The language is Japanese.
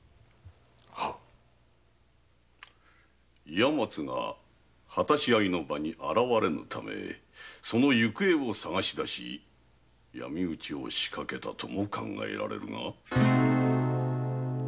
岩松が果たし合いの場に現れぬためその行方を捜し出し闇討ちを仕掛けたとも考えられるが？